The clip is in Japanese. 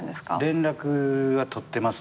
連絡は取ってますね。